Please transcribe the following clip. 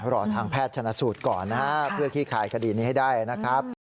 รอทางแพทย์ชนะสูตรก่อนนะฮะเพื่อขี้คายคดีนี้ให้ได้นะครับ